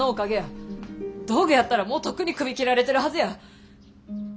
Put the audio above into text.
道具やったらもうとっくに首切られてるはずや。